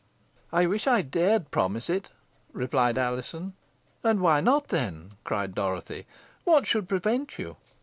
"I wish I dared promise it," replied Alizon. "And why not, then?" cried Dorothy. "What should prevent you?